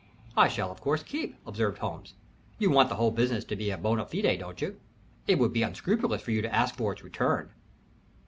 "I shall, of course, keep," observed Holmes. "You want the whole business to be bona fide, don't you? It would be unscrupulous for you to ask for its return."